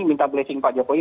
minta blessing pak jokowi